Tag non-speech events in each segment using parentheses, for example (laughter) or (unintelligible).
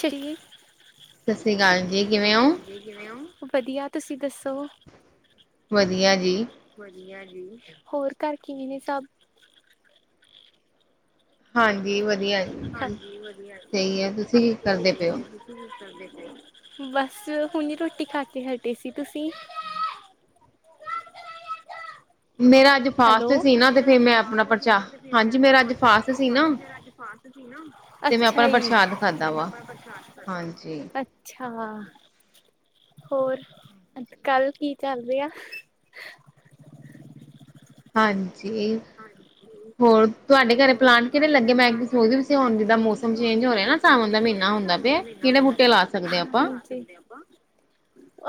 ਸ੍ਰੀ ਸਤਿ ਸ਼੍ਰੀ ਅਕਾਲ ਜੀ ਕਿਵੇਂ ਹੋ? ਵਧੀਆ ਤੁਸੀਂ ਦੱਸੋ! ਵਧੀਆ ਜੀ। ਵਧੀਆ ਜੀ, ਹੋਰ ਘਰ ਕਿਵੇਂ ਨੇ ਸਭ? ਹਾਂਜੀ ਵਧੀਆ, ਸਹੀ ਹੈ, ਤੁਸੀਂ ਕੀ ਕਰਦੇ ਪਏ ਹੋ? ਬਸ ਹੁਣੇ ਰੋਟੀ ਖਾ ਕੇ ਹਟੇ ਸੀ। ਤੁਸੀਂ? ਮੇਰਾ ਅੱਜ ਹੈਲੋ! ਮੇਰਾ ਅੱਜ ਫਾਸਟ ਸੀ ਨਾ, ਤੇ ਫਾਸਟ ਮੈਂ ਆਪਣਾ, ਹਾਂਜੀ ਮੇਰਾ ਅੱਜ ਫਾਸਟ। ਅੱਛਾ ਜੀ! ਅੱਛਾ ਹੋਰ ਕੱਲ ਕੀ ਰਿਹਾ ਆ? ਹਾਂਜੀ ਹੋਰ ਤੁਹਾਡੇ ਘਰੇ ਪਲਾਂਟ ਕਿਹੜੇ ਲੱਗੇ? ਮੈਂ ਸੋਚਦੀ ਸੀ, ਹੁਣ ਜਿੱਦਾਂ ਮੌਸਮ ਚੇਂਜ ਹੋ ਰਿਹਾ ਨਾ ਸਾਵਣ ਦਾ ਮਹੀਨਾ ਆਉਂਦਾ ਪਿਆ ਹੈ। ਨ ਮ (unintelligible)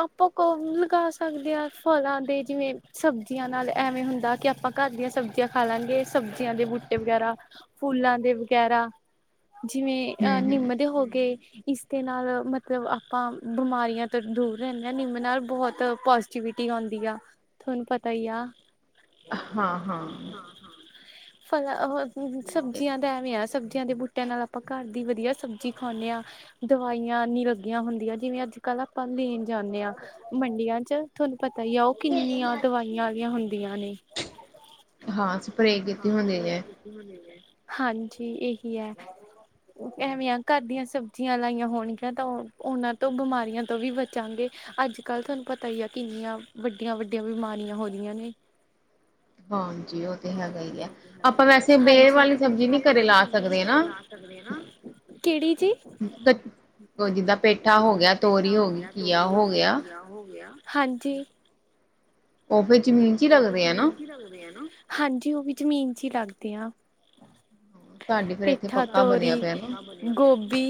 ਆਪਾਂ ਕੋਲਮ ਲਗਾ ਸਕਦੇ ਹਾਂ, ਫਲਾਂ ਦੇ ਜਿਵੇਂ ਸਬਜ਼ੀਆਂ ਨਾਲ ਐਵੇਂ ਹੁੰਦਾ, ਕਿ ਆਪਾਂ ਘਰ ਦੀਆਂ ਸਬਜ਼ੀਆਂ ਖਾ ਲਾਂਗੇ ਸਬਜ਼ੀਆਂ ਦੇ ਬੂਟੇ। ਵਗੈਰਾ ਫੁਲਾਂ ਦੇ ਵਗੈਰਾ ਜਿਵੇਂ ਆ ਨਿੰਮ ਦੇ ਹੋ ਗਏ। ਇਸਦੇ ਨਾਲ ਮਤਲਬ ਆਪਾਂ ਬਿਮਾਰੀਆਂ ਤੋਂ ਦੂਰ ਰਹਿੰਦੇ ਹਾਂ, ਨਿੰਮ ਨਾਲ ਬਹੁਤ ਪੋਜ਼ ਪੋਜ਼ਵਿਟੀ ਆਉਂਦੀ ਆ, ਤੁਹਾਨੂੰ ਪਤਾ ਹੀ ਆ। ਹਾਂ ਹਾਂ ਫਲ ਸਬਜ਼ੀਆਂ ਦਾ ਐਵੇਂ ਆ, ਸਬਜ਼ੀਆਂ ਦੇ ਬੂਟਿਆਂ ਨਾਲ ਆਪਾਂ ਘਰ ਦੀ ਵਧੀਆ ਸਬਜ਼ੀ ਖਾਂਦੇ ਹਾਂ। ਦਵਾਈਆਂ ਇੰਨੀ ਲੱਗੀਆਂ ਹੁੰਦੀਆਂ, ਜਿਵੇਂ ਅੱਜ ਕੱਲ ਆਪਾਂ ਲੈਣ ਜਾਂਦੇ ਹਾਂ। ਮੰਡੀਆਂ ਚ ਤੁਹਾਨੂੰ ਪਤਾ ਹੀ ਆ, ਉਹ ਕਿੰਨੀਆਂ ਦਵਾਈਆਂ ਵਾਲੀਆਂ ਹੁੰਦੀਆਂ ਨੇ। ਹਾਂ ਸਪਰੇ ਹਾਂਜੀ ਇਹੀ ਹੈ ਐਵੇਂ ਆ ਘਰ ਦੀਆਂ ਸਬਜ਼ੀਆਂ ਲਾਈਆਂ ਹੋਣਗੀਆਂ, ਤਾਂ ਉਹਨਾਂ ਤੋਂ ਬਿਮਾਰੀਆਂ ਤੋਂ ਵੀ ਬਚਾਂਗੇ। ਅੱਜ ਕੱਲ੍ਹ ਤੁਹਾਨੂੰ ਪਤਾ ਹੀ ਆ, ਕਿੰਨੀਆਂ ਵੱਡੀਆਂ-ਵੱਡੀਆਂ ਬਿਮਾਰੀਆਂ ਹੋ ਰਹੀਆਂ ਨੇ। ਹਾਂਜੀ ਹੈਗਾ ਹੀ ਹੈ। ਆਪਾਂ ਵੈਸੇ ਬੇਲ ਵਾਲੀ ਸਬਜ਼ੀ ਨੀ ਘਰੇ ਲਾ ਸਕਦੇ ਹ ਨਾ। ਕਿਹੜੀ ਜੀ? ਜਿੱਦਾਂ ਪੇਠਾ ਹੋ ਗਿਆ, ਤੋਰੀ ਹੋ ਗਈ, ਘਿਆ ਹੋ ਗਿਆ। ਹੋ ਗਿਆ ਹਾਂਜੀ ਉਹ ਫਿਰ ਜਮੀਨ ਚ ਹੀ ਲੱਗਦੇ ਆ ਨਾ। ਲੱਗਦੇ ਹੈ ਨਾ ਹਾਂਜੀ, ਉਹ ਵੀ ਜ਼ਮੀਨ ਚ ਹੀ ਲੱਗਦੇ ਆ। ਪਿੱਠਾ, ਤੋਰੀ, ਗੋਭੀ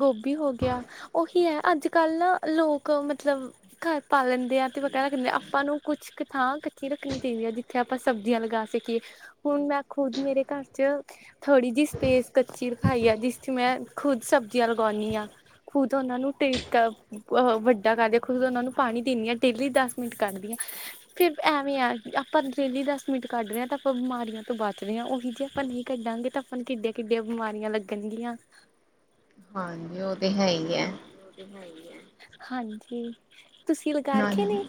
ਗੋਭੀ ਹੋ ਗਿਆ। ਉਹੀ ਹੈ, ਅੱਜ ਕੱਲ੍ਹ ਨਾ ਲੋਕ ਮਤਲਬ ਘਰ ਪ ਲੈਂਦੇ ਆ, ਤੇ ਬਕਾਇਦਾ ਰੱਖ ਦਦੇ ਆ, ਆਪਾਂ ਨੂੰ ਕੁੱਝ ਕੁ ਥਾਂ ਕੱੱਚੀ ਰੱਖਣੀ ਚਾਹੀਦੀ ਆ ਜਿੱਥੇ ਆਪਾਂ। ਸਬਜ਼ੀਆਂ ਲਗਾ ਸਕੀਏ। ਹੁਣ ਮੈਂ ਖੁਦ ਮੇਰੇ ਘਰ ਚ ਥੋੜੀ ਜਿਹੀ ਸਪੇਸ ਕੱਚੀ ਰਖਾਈ ਆ, ਜਿਸ ਚ ਮੈਂ ਖੁਦ ਸਬਜ਼ੀਆਂ ਲਗਾਉਂਦੀ ਹਾਂ। ਖੁਦ ਉਹਨਾਂ ਨੂੰ ਟੇਕ ਅ ਵੱਡਾ ਕਰਦੀ ਆ ਖੁਦ ਉਹਨਾਂ ਨੂੰ ਪਾਣੀ ਦਿੰਦੀ ਹਾਂ, ਡੇਲੀ ਦਸ ਮਿੰਟ ਕੱਢਦੀ ਹਾਂ ਫਿਰ ਐਵੇਂ ਆ ਆਪਾਂ ਡੇਲੀ ਦੱਸ ਮਿੰਟ ਕੱਢਦੇ ਹਾਂ ਤਾਂ ਆਪਾਂ ਬਿਮਾਰੀਆਂ ਮਿੰਟ ਕੱਢ ਰਹੇ ਹਾਂ, ਤਾ ਬਿਮਾਰੀਆਂ ਤੋਂ ਬਚਦੇ ਹਾਂ, ਉਹੀ ਜੇ ਆਪਾਂ ਨਹੀਂ ਕੱਢਾਂਗੇ ਤਾਂ ਆਪਾਂ ਕਿੱਡੀਆਂ ਕਿੱਡੀਆਂ ਬਿਮਾਰੀਆਂ ਲੱਗ ਕਹਿੰਦੀਆਂ ਹਾਂਜੀ ਉਹ ਤੇ ਹੈ ਹੀ ਹੈ। ਉਹ ਤਾ ਹੈ ਈ ਆ ਹਾਂਜੀ ਤੁਸੀਂ ਲਗਾਰਖੇ ਨੇ?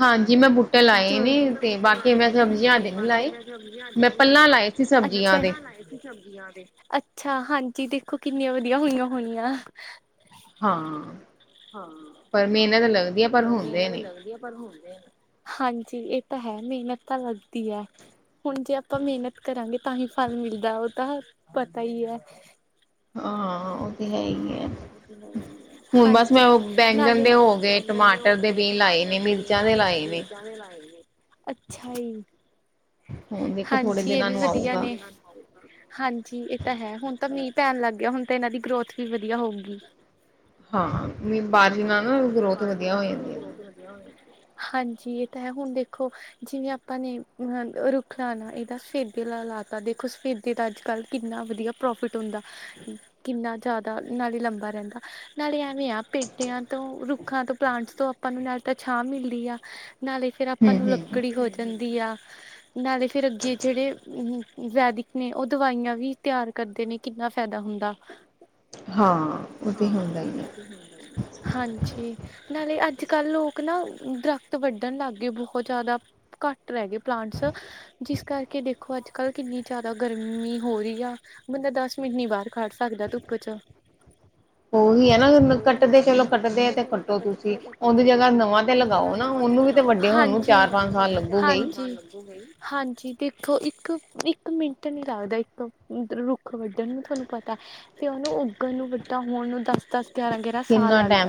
ਹਾਂਜੀ ਮੈਂ ਬੂਟ ਜੋ ਜ ਮੈਂ ਬੂਟੇ ਲਾਏ ਨੇ, ਤੇ ਬਾਕੀ ਮੈ ਹਜੇ ਨੀ ਲਾਏ, ਅੱਛੇ ਸਬਜ਼ੀਆ ਦੇ ਅੱਛਾ, ਹਾਂਜੀ ਦੇਖੋ ਕਿੰਨੀਆਂ ਵਧੀਆ ਹੋਇਆ, ਹੋਇਆ। ਹਾਂ ਪਰ ਮਿਹਨਤ ਲੱਗਦੀ ਹ ਪਰ ਮਿਹਨਤ ਲੱਗਦੀ ਹੈ, ਪਰ ਹੁੰਦੇ ਆ ਹਾਂਜੀ ਇਹ ਤਾਂ ਹੈ ਮਿਹਨਤ ਤਾਂ ਲੱਗਦੀ ਆ, ਹੁਣ ਜੇ ਆਪਾਂ ਮਿਹਨਤ ਕਰਾਂਗੇ ਤਾਂ ਹੀ ਫਲ ਮਿਲਦਾ ਉਹ ਤਾਂ ਪਤਾ ਹੀ ਹੈ। ਹਾਂ ਉਹ ਤੇ ਹੈ ਹੀ ਆ, ਹੁਣ ਬਸ ਮੈਂ ਉਹ ਬੈਂਗਣ ਦੇ ਹੋ ਗਏ, ਬੈਂਗਣ ਦੇ ਹੋ ਗਏ ਟਮਾਟਰ ਦੇ ਬੀ ਲਾਏ ਨੇ ਮਿਰਚਾਂ ਦੇ ਲਾਏ ਨੇ ਅੱਛਾ ਈ, ਹਾਂਜੀ ਇਹ ਵੀ ਵਧੀਆ ਨੇ ਹਾਂਜੀ ਇਹ ਤਾਂ ਹੈ, ਹੁਣ ਤਾਂ ਮੀਂਹ ਪੈਣ ਲੱਗ ਗਿਆ, ਹੁਣ ਤਾਂ ਇਹਨਾਂ ਦੀ ਗਰੋਥ ਵੀ ਵਧੀਆ ਹੋਊਗੀ ਹਾਂ ਮੀਨ ਬਾਰਿਸ਼ ਨਾ ਹਨਾ ਗਰੋ, ਹਾਂਜੀ ਇਹ ਤਾਂ ਹੈ ਹੁਣ ਦੇਖੋ ਜਿਵੇਂ ਆਪਾਂ ਨੇ ਅਹ ਰੁੱਖ ਲਾਣਾ, ਇਹਦਾ ਸਫੇਦੇ ਲ ਲਾਤਾ ਦੇਖੋ ਸਫੇ ਅਤੇ ਤਾਂ ਅੱਜ ਕੱਲ੍ਹ ਕਿੰਨਾ ਵਧੀਆ ਪ੍ਰੋਫਿਟ ਹੁੰਦਾ ਕਿੰਨਾ ਜ਼ਿਆਦਾ ਨਾਲੇ ਲੰਬਾ ਰਹਿੰਦਾ ਨਾਲੇ ਐਵੇਂ ਆ ਪੇਟਿਆਂ ਤੋਂ ਰੁ ਅੱਖਾਂ ਤੋਂ ਪਲਾਂਟਸ ਤੋਂ ਆਪਾਂ ਨੂੰ ਨਾਲ ਤਾਂ ਛਾਂ ਮਿਲਦੀ ਆ ਨਾਲੇ ਫਿਰ ਆਪਾਂ ਨੂੰ ਲੱਕੜੀ ਹੋ ਜਾਂਦੀ ਆ, ਨਾਲੇ ਫੇਿਰ ਅੱਗੇ ਜਿਹੜੇ ਹੁ, ਵੈਦਿਕ ਨੇ ਉਹ ਦਵਾਈਆਂ ਵੀ ਤਿਆਰ ਕਰਦੇ ਨੇ ਕਿੰਨਾ ਫਾਇਦਾ ਹੁੰਦਾ ਹਾਂ ਉਹ ਤੇ ਹੁੰਦਾ ਹੀ ਹੈ ਹਾਂਜੀ ਨਾਲੇ ਅੱਜ ਕੱਲ੍ਹ ਲੋਕ ਨਾ ਦਰਖਤ ਵੱਢਣ ਲੱਗ ਗਏ ਬਹੁਤ ਜ਼ਿਆਦਾ, ਘੱਟ ਰਹਿ ਗਏ ਪਲਾਂਟਸ ਜਿਸ ਕਰਕੇ ਦੇਖੋ ਅੱਜ ਕੱਲ ਕਿੰਨੀ ਜ਼ਿਆਦਾ ਗਰਮੀ, ਗਰਮੀ ਹੋ ਰਹੀ ਆ ਬੰਦਾ ਦਸ ਮਿੰਟ ਨੀ ਬਾਹਰ ਖੜ ਸਕਦਾ। ਉਹੀ ਹੈ ਨਾ ਕੱਟਦੇ ਚਲੋ ਕੱਟਦੇ, ਇਹ ਤੇ ਕੱਟੋ ਤੁਸੀਂ ਉਹਦੀ ਜਗ੍ਹਾ ਨਵਾਂ ਤੇ ਲਗਾਓ ਨਾ ਉਹਨੂੰ ਵੀ ਤੇ ਵੱਡੇ ਹੋਣ ਨੂੰ ਚਾਰ ਪੰਜ ਸਾਲ ਲੱਗੂਗੇ ਈ, ਜੀ ਨਹੀਂ (unintelligible) ਹਾਂਜੀ ਦੇਖੋ ਇੱਕ, ਇੱਕ ਮਿੰਟ ਨਹੀਂ ਲੱਗਦਾ ਇੱਕ ਰੁੱਖ ਵੱਢਣ ਨੂੰ ਤੁਹਾਨੂੰ ਪਤਾ, ਤੇ ਉਹਨੂੰ ਉੱਗਣ ਨੂੰ ਵੱਡਾ ਹੋਣ ਨੂੰ ਦਸ -ਦਸ ਗਿਆਰਾਂ- ਗਿਆਰਾਂ ਸਾਲ ਲੱਗਦੇ,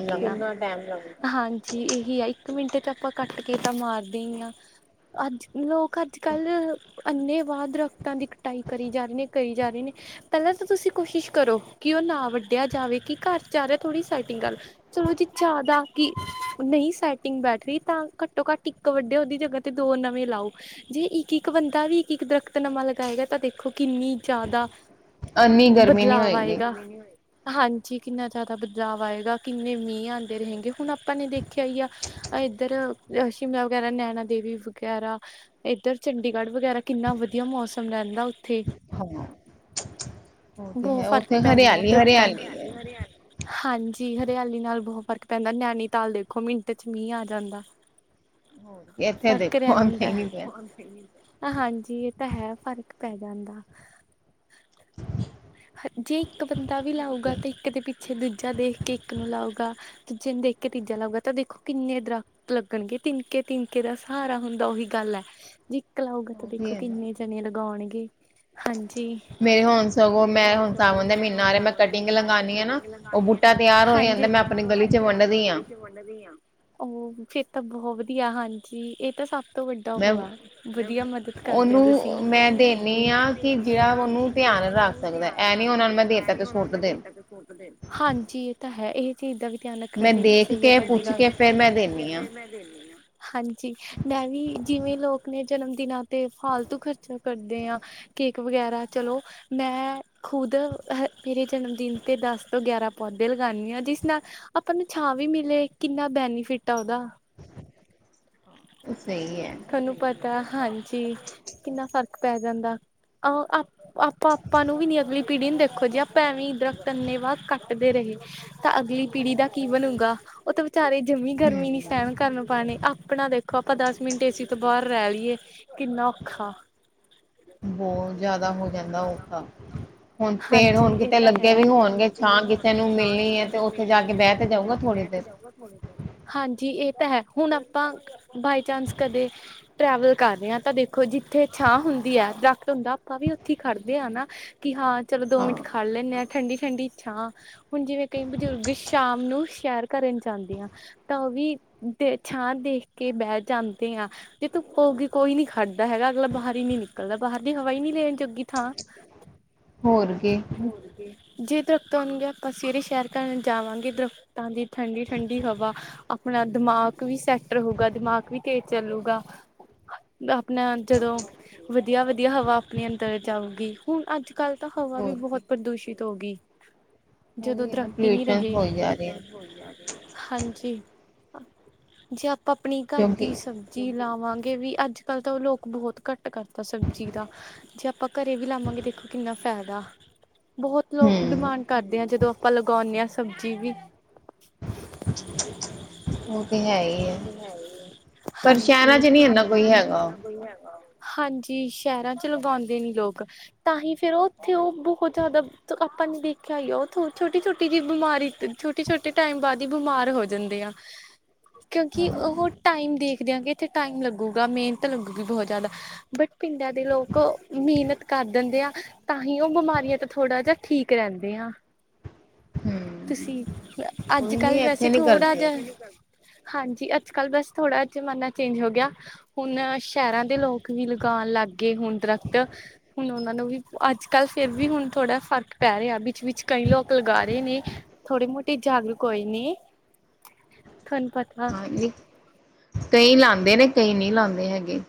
ਟਾਈਮ ਲੱਗਦਾ ਹਾਂਜੀ ਇਹੀ ਆ, ਇੱਕ ਮਿੰਟ ਚ ਆਪਾਂ ਕੱਟ ਕੇ ਤਾਂ ਮਾਰਦੇ ਹੀ ਆ, ਅੱਜ ਲੋਕ, ਅੱਜ ਕੱਲ, ਅੰਨੇ ਵਾਅ ਦਰੱਖਤਾਂ ਦੀ ਕਟਾਈ ਕਰੀ ਜਾ ਰਹੀ ਨੇ, ਕਰੀ ਜਾ ਰਹੇ ਨੇ, ਪਹਿਲਾਂ ਤਾਂ ਤੁਸੀਂ ਕੋਸ਼ਿਸ਼ ਕਰੋ ਕਿ, ਉਹ ਨਾ ਵੱਢਿਆ ਜਾਵੇ, ਕਿ ਘਰ ਚ ਆ ਰਿਹਾ, ਥੋੜ੍ਹੀ ਸਾਈਟਿੰਗ ਗੱਲ, ਚਲੋ ਜੀ ਜ਼ਿਆਦਾ ਕੀ ਨਹੀਂ ਸੈਟਿੰਗ ਬੈਠਦੀ, ਤਾਂ ਘੱਟੋ ਘੱਟ ਇੱਕ ਵੱਡੇ ਉਹਦੀ ਜਗਾ, ਤੇ ਦੋ ਨਵੇਂ ਲਾਓ, ਜੇ ਇੱਕ -ਇੱਕ ਬੰਦਾ ਵੀ ਇੱਕ -ਇੱਕ ਦਰਖਤ ਨਵਾਂ ਲਗਾਏਗਾ, ਤਾਂ ਦੇਖੋ ਕਿੰਨੀ ਜ਼ਿਆਦਾ, ਬਦਲਾਵ ਆਏਗਾ, ਹਾਂਜੀ ਕਿੰਨਾ ਜ਼ਿਆਦਾ ਬਦਲਾਵ ਆਏਗਾ, ਕਿੰਨੇ ਮੀਂਹ ਆਂਦੇ ਰਹਿਗੇ ਹੁਣ ਆਪਾਂ ਨੇ ਦੇਖਿਆ ਹੀ ਆ, ਅ ਇੱਧਰ ਸ਼ਿਮਲਾ ਵਗੈਰਾ, ਨੈਣਾ ਦੇਵੀ ਵਗੈਰਾ, ਇੱਧਰ ਚੰਡੀਗੜ੍ਹ ਵਗੈਰਾ, ਕਿੰਨਾ ਵੁਧੀਆ ਮੌਸਮ ਰਹਿੰਦਾ ਉੱਥੇ, ਹਾਂ (unintelligible) ਬਹੁਤ ਫ਼ਰਕ ਪੈਂਦਾ ਦਰਖਤਾਂ ਨੂੰ ਹਰਿਆਲੀ, ਹਰਿਆਲੀ ਹਾਂਜੀ, ਹਰਿਆਲੀ ਨਾਲ ਬਹੁਤ ਫ਼ਰਕ ਪੈਂਦਾ, ਨੈਨੀ ਤਾਲ ਦੇਖੋ ਮਿੰਟ ਚ ਮੀਂਹ ਆ ਜਾਂਦਾ, ਫਰਕਰਿਆ ਨਿੰਦਾ, ਹਾਂਜੀ ਇਹ ਤਾਂ ਹੈ ਫ਼ਰਕ ਪੈ ਜਾਂਦਾ, ਜੇ ਇੱਕ ਬੰਦਾ ਵੀ ਲਾਉਗਾ ਤੇ ਇੱਕ ਦੇ ਪਿੱਛੇ ਦੂਜਾ ਦੇਖ ਕੇ ਇੱਕ ਨੂੰ ਲਾਊਗਾ, ਦੂਜੇ ਨੂੰ ਦੇਖ ਕੇ ਤੀਜਾ ਲਾਊਗਾ ਤਾਂ ਦੇਖੋ ਕਿੰਨੇ ਦਰੱਖਤ, ਲੱਗਣਗੇ, ਤਿਨਕੇ ਤਿਨਕੇ ਦਾ ਸਹਾਰਾ ਹੁੰਦਾ ਉਹੀ ਗੱਲ ਹੈ, ਜੇ ਇੱਕ ਲਾਊਗਾ ਤਾਂ ਦੇਖੋ ਕਿੰਨੇ ਜਣੇ ਲਗਾਉਣਗੇ ਹਾਂਜੀ, ਮੇਰੇ ਹੁਣ ਸਗੋਂ ਮੈਂ ਹੁਣ ਸਾਵਨ ਦਾ ਮਹੀਨਾ ਆ ਰਿਹਾ ਹੈ ਮੈਂ ਕਟਿੰਗ ਲਗਾਉਦੀ ਆ ਨਾ, ਹਾਂਜੀ ਤਿਆਰ ਹੋਏ ਜਾਂਦੇ ਮੈਂ ਆਪਣੀ ਗਲੀ ਚ ਵੰਡਦੀ ਹਾਂ, ਉਹ ਫੇਰ ਤੇ ਬਹੁਤ ਵਧੀਆ ਹਾਂਜੀ ਇਹ ਤਾਂ ਸਭ, ਤਾਂ ਵੱਡਾ ਹੋਆ ਵਧੀਆ ਮਦਦ ਕਰਦੇ ਹੋ ਤੁਸੀਂ ਉਹਨੂੰ ਮੈਂ ਦੇ ਹ, ਧਿਆਨ ਰੱਖ ਸਕਦਾ, ਇਹਂ ਨੀ ਉਹਨਾਂ ਨੂੰ ਮੈਂ ਦੇ ਦਿੱਤਾ ਤੇ ਸੁੱਟ ਦੇਯੋ ਹਾਂਜੀ, ਤਾਂ ਹੈ ਇਹ ਚੀਜ਼ ਦਾ ਵੀ ਧਿਆਨ ਰੱਖਣਾ ਚਾਹੀਦਾ ਸਹੀ ਹੈ ਤੁਹਾਡੀ ਗੱਲ, ਹਾਂਜੀ, ਮੈਂ ਵੀ ਜਿਵੇਂ ਲੋਕ ਨੇ ਜਨਮ ਦਿਨਾਂ ਤੇ ਫਾਲਤੂ ਖ਼ਰਚਾ ਕਰਦੇ ਆਂ, ਕੇਕ ਵਗੈਰਾ ਚਲੋ ਮੈਂ, ਖੁਦ ਅ ਮੇਰੇ ਜਨਮ ਦਿਨ ਤੇ ਦਸ ਤੋਂ ਗਿਆਰਾਂ ਪੌਦੇ ਲਗਾਉਂਦੀ ਹਾਂ ਜਿਸ ਨਾਲ, ਆਪਾਂ ਨੂੰ ਛਾਂ ਵੀ ਮਿਲੇ ਕਿੰਨਾ ਬੈਨੀਫਿਟ ਆ ਉਹਦਾ, ਤੁਹਾਨੂੰ ਪਤਾ ਹਾਂਜੀ ਕਿੰਨਾ ਫ਼ਰਕ ਪੈ ਜਾਂਦਾ, ਆਹ ਆਪ ਆਪਾਂ ਆਪਾਂ ਨੂੰ ਵੀ ਨੀ ਅਗਲੀ ਪੀੜ੍ਹੀ ਨੂੰ ਦੇਖੋ ਜੇਯਾ ਆਪਾਂ ਐਵੇਂ ਦਰੱਖਤੰ ਅਨੇ ਵਾਹ ਕੱਟਦੇ ਰਹੇ ਤਾਂ ਅਗਲੀ ਪੀੜ੍ਹੀ ਦਾ ਕੀ ਬਣੂਗਾ, ਉਹ ਤਾਂ ਵਿਚਾਰੇ ਜਮੀਂ ਗਰਮੀ ਨੀ ਸਹਿਣ ਕਰਨ ਪਾਉਣੇ ਆਪਣਾ ਦੇ ਦੇਖੋ ਆਪਾਂ ਦਸ ਮਿੰਟ ਏਸੀ ਤੋਂ ਬਾਹਰ ਰਹਿ ਲਈਏ ਕਿੰਨਾ ਔਖਾ, ਬਹੁਤ ਜ਼ਿਆਦਾ ਹੋ ਜਾਂਦਾ ਔਖਾ, ਹੁਣ ਪੇੜ ਹੁਣ ਕਿਤੇ ਲੱਗੇ ਵੀ ਹੋਣਗੇ ਛਾਂ ਕਿਸੇ ਨੂੰ ਮਿਲਣੀ ਹੈ, ਤੇ ਉੱਥੇ ਜਾ ਕੇ ਬਹਿ ਤੇ ਜਾਊਗਾ ਥੋੜ੍ਹੀ ਦੇਰ ਹਾਂਜੀ ਇਹ ਤੇ ਹੈ ਹੁਣ ਆਪਾਂ ਬਾਈ ਚਾਂਸ ਕਦੇ, ਟਰੈਵਲ ਕਰ ਰਹੇ ਹਾਂ ਤਾਂ ਦੇਖੋ ਜਿੱਥੇ ਛਾਂ ਹੁੰਦੀ ਹੈ ਦਰਖ਼ਤ ਹੁੰਦਾ ਆਪਾਂ ਵੀ ਉੱਥੇ ਹੀ ਖੜ੍ਹਦੇ ਹਾਂ ਨਾ, ਕਿ ਹਾਂ ਚਲੋ ਦੋ ਮਿੰਟ ਖੜ ਲੈਂਨੇ ਆਂ ਠੰਡੀ ਠੰਡੀ ਛਾਂ, ਹੁਣ ਜਿਵੇਂ ਕਈ ਬਜ਼ੁਰਗ ਸ਼ਾਮ ਨੂੰ ਸੈਰ ਕਰਨ ਜਾਂਦੇ ਆ ਤਾਂ ਉਹ ਵੀ ਛਾਂ ਦੇਖ ਕੇ ਬਹਿ ਜਾਂਦੇ ਆ, ਜੇ ਧੂਪ ਹੋਗੀ ਕੋਈ ਨੀ ਖੜਦਾ ਹੈਗਾ ਅਗਲਾ ਬਾਹਰ ਹੀ ਨਹੀਂ ਨਿਕਲਦਾ, ਬਾਹਰ ਦੀ ਹਵਾ ਈ ਨੀ ਲੈਣ ਜੋਗੀ ਥਾਂ ਹੋਰ ਕੀ ਹੋਰ ਕੀ ਜੇ ਦਰਖਤ ਹੋਣਗੇ ਆਪਾਂ ਸਵੇਰੇ ਸੈਰ ਕਰਨ ਜਾਵਾਂਗੇ, ਦਰਖਤਾਂ ਦੀ ਠੰਡੀ ਠੰਡੀ ਹਵਾ ਆਪਣਾ ਦਿਮਾਗ ਵੀ ਸੈਟ ਰਹੁਗਾ, ਦਿਮਾਗ ਵੀ ਤੇਜ਼ ਚੱਲੂਗਾ। ਆਪਣਾ ਜਦੋਂ ਵਧੀਆ, ਵਧੀਆ ਹਵਾ ਆਪਣੇ ਅੰਦਰ ਜਾਊਗੀ ਹੁਣ ਅੱਜ ਤਾਂ ਹਵਾ ਵੀ ਬਹੁਤ ਪ੍ਰਦੂਸ਼ਿਤ ਹੋ ਗਈ। ਜਦੋਂ ਦਰੱਖਤ ਹੀ ਨਹੀਂ ਰਹੇ। ਹਾਂਜੀ, ਜੇ ਆਪਾਂ ਆਪਣੀ ਘਰ ਦੀ ਸਬ ਜੀ ਲਾਵਾਂਗੇ ਵੀ, ਅੱਜ ਕੱਲ੍ਹ ਤਾਂ ਉਹ ਲੋਕ ਬਹੁਤ ਘੱਟ ਕਰਦਾ ਸਬਜ਼ੀ ਦਾ। ਜੇ ਆਪਾਂ ਘਰੇ ਵੀ ਲਾਵਾਂਗੇ ਦੇਖੋ ਕਿੰਨਾ ਫਾਇਦਾ। ਬਹੁਤ ਲੋਕ ਡਿਮਾਂਡ ਕਰਦੇ ਆ ਜਦੋਂ ਆਪਾਂ ਲਗਾਉਂਨੇ ਹਾਂ ਸਬਜ਼ੀ ਵੀ। (inaudible) ਇਹ ਤੇ ਹੈ ਈ ਹੈ, ਹਾਂਜੀ, ਪਰ ਕਹਿਣਾ ਤੇ ਨਈ ਹੁੰਦਾ ਕੋਈ ਹੈਗਾ ਵੈ ਹਾਂਜੀ, ਸ਼ਹਿਰਾਂ ਚ ਲਗਾਉਂਦੇ ਨੀ ਲੋਕ ਤਾਂ ਹੀ ਫਿਰ ਉਹ ਉੱਥੇ ਉਹ ਬਹੁਤ ਜ਼ਿਆਦਾ ਤੋ ਆਪਾਂ ਨੇ ਦੇਖਿਆ ਹੀ ਆ ਉਹ ਛੋਟੀ, ਛੋਟੀ ਜਿਹੀ ਬਿਮਾਰੀ ਛੋਟੇ, ਛੋਟੇ ਟਾਈਮ ਬਾਅਦ ਹੀ ਬਿਮਾਰ ਹੋ ਜਾਂਦੇ ਆ। ਹ (inaudible) ਕਿਉਂਕਿ ਉਹ ਟਾਈਮ ਦੇਖਦਿਆਂ ਕਿ, ਇੱਥੇ ਟਾਈਮ ਲੱਗੇੂਗਾ, ਮਿਹਨਤ ਲੱਗੂਗੀ ਬਹੁਤ ਜ਼ਿਆਦਾ। ਬਟ ਪਿੰਡਾਂ ਦੇ ਲੋਕ ਮਿਹਨਤ ਕਰ ਦਿੰਦੇ ਆ। ਤਾਂਹੀ ਉਹ ਬਿਮਾਰੀਆਂ ਤੋ ਥੋੜਾ ਜਹਾ ਠੀਕ ਰਹਿੰਦੇ ਆ। ਤੁਸੀਂ, ਅੱਜ ਕੱਲ ਵੈਸੇ ਥੋੜ੍ਹਾ ਜਿਹਾ ਹਾਂਜੀ, ਅੱਜ ਕੱਲ੍ਹ ਬਸ ਥੋੜ੍ਹਾ ਜ਼ਮਾਨਾ ਚੇਂਜ ਹੋ ਗਿਆ। ਹੁਣ ਸ਼ਹਿਰਾਂ ਦੇ ਲੋਕ ਵੀ ਲਗਾਉਣ ਲੱਗ ਗਏ ਹੁਣ ਦਰਖਤ ਹੁਣ ਉਹਨਾਂ ਨੂੰ ਵੀ ਅੱਜ ਕੱਲ੍ਹ ਫਿਰ ਵੀ ਹੁਣ ਥੋੜਾ ਫਰਕ ਪੈ ਰਿਹਾ, ਵਿੱਚ, ਵਿਚ ਕਈ ਲੋਕ ਲਗਾ ਰਹੇ ਨੇ। ਥੋੜੀ ਮੋਟੀ ਜਾਗਰੂਕ ਹੋਈ ਨੇ, ਤੁਹਾਨੂੰ ਪਤਾ ਵੀ, ਕਈ ਲਾਂਦੇ ਨੇ ਕਈ ਨਹੀਂ ਲਾਉਂਦੇ ਹੈਗੇ।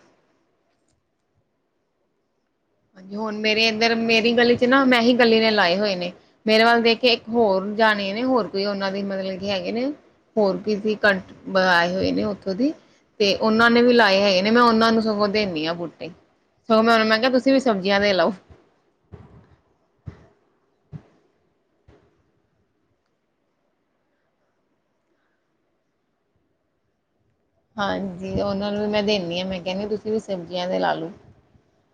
ਹੁਣ ਮੇਰੇ ਏਦਰ ਮੇਰੀ ਗਲੀ ਚ ਨਾ ਮੈਂ ਹੀ ਕੱਲੀ ਨੇ ਲਾਏ ਹੋਏ ਨੇ। ਮੇਰੇ ਵੱਲ ਦੇਖ ਕੇ ਇੱਕ ਹੋਰ ਜਾਣੇ ਨੇ, ਹੋਰ ਕੋਈ ਉਹਨਾਂ ਦੇ ਮਤਲਬ ਕਿ ਹੈਗੇ ਨੇ ਹੋਰ ਕੀਸੀ ਕੰਟ ਮੰਗਾਏ ਹੋਏ ਨੇ ਉੱਥੋਂ ਦੀ ਤੇ ਉਹਨਾਂ ਨੇ ਵੀ ਲਾਏ ਹੈਗੇ ਨੇ ਮੈਂ ਉਹਨਾਂ ਨੂੰ ਸਗੋਂ ਦੇਨੀ ਹਾਂ ਬੂਟੇ ਸਗੋਂ ਮੈਂ ਉਹਨਾਂ ਨੂੰ ਮੈਂ ਕਿਹਾ ਤੁਸੀਂ ਤੁਸੀਂ ਵੀ ਸਬਜ਼ੀਆਂ ਦੇ ਲਾਓ। ਹਾਂਜੀ, ਉਹਨਾਂ ਨੂੰ ਵੀ ਮੈਂ ਦੇਨੀ ਹਾਂ, ਮੈਂ ਕਹਿੰਨੀ ਆ ਤੁਸੀਂ ਵੀ ਸਬਜ਼ੀਆਂ ਦੇ ਲਾ ਲੋ।